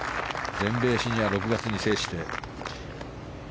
全米シニアを６月に制して。